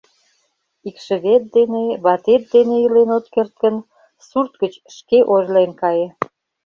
Икшывет дене, ватет дене илен от керт гын, сурт гыч шке ойырлен кае.